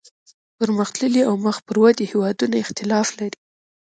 پرمختللي او مخ پر ودې هیوادونه اختلاف لري